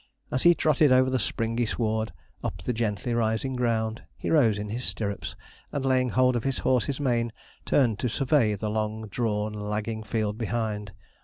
As he trotted over the springy sward, up the gently rising ground, he rose in his stirrups; and, laying hold of his horse's mane, turned to survey the long drawn, lagging field behind.